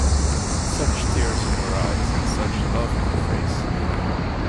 Such tears in her eyes, and such love in her face.